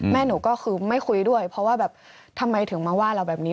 แม่หนูก็คือไม่คุยด้วยเพราะว่าแบบทำไมถึงมาว่าเราแบบนี้